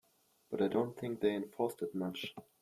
But I don't think they enforced it much.